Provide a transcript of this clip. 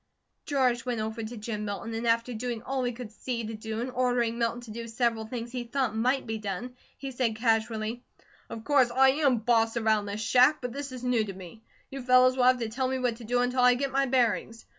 George went over to Jim Milton, and after doing all he could see to do and ordering Milton to do several things he thought might be done, he said casually: "Of course I am BOSS around this shack, but this is new to me. You fellows will have to tell me what to do until I get my bearings.